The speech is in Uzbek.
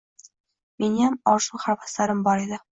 Meniyam orzu-havaslarim bor edi